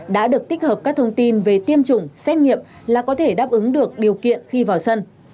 đã được tích hợp các thông tin về tiêm chủng xét nghiệm là có thể đáp ứng được điều kiện khi vào sân